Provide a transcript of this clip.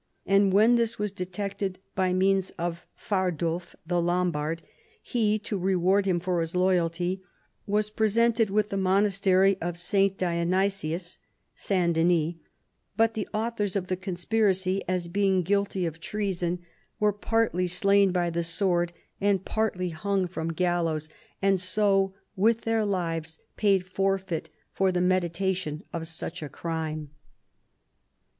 And when this was detected by means of Fardulf the Lombard, he, to reward him for his loyalty, was presented with the monastery of St. Dionysius [St. Denis], but the authors of the conspiracy, as being guilty of treason, were partly 13G CHARLEMAGNE. slain by the sword and partly hung from gallows, and so with their lives paid forfeit for the medita tion of such a crime."